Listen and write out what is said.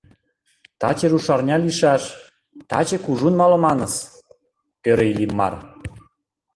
Таче рушарня лийшаш, таче кужун малыманыс, ӧрӧ Иллимар.